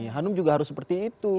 ya hanum juga harus seperti itu